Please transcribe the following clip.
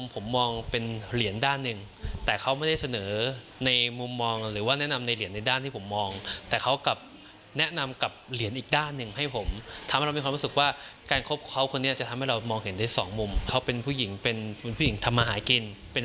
ผมมองเป็นเหรียญด้านหนึ่งแต่เขาไม่ได้เสนอในมุมมองหรือว่าแนะนำในเหรียญในด้านที่ผมมองแต่เขากลับแนะนำกับเหรียญอีกด้านหนึ่งให้ผมทำให้เรามีความรู้สึกว่าการคบเขาคนนี้จะทำให้เรามองเห็นได้สองมุมเขาเป็นผู้หญิงเป็นผู้หญิงทำมาหากินเป็น